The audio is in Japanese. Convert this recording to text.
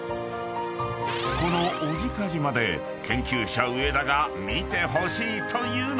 ［この小値賀島で研究者上田が見てほしいというのが］